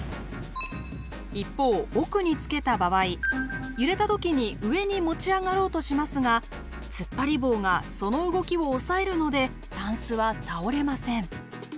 一方奥につけた場合揺れた時に上に持ち上がろうとしますがつっぱり棒がその動きを押さえるのでタンスは倒れません。